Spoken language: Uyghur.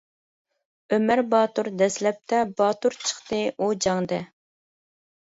ئۆمەر باتۇر دەسلەپتە، باتۇر چىقتى ئۇ جەڭدە.